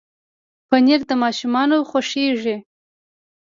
پنېر د ماشومانو خوښېږي.